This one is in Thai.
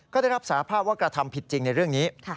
ก็ได้รับสาภาพว่ากระทำผิดจริงในเรื่องนี้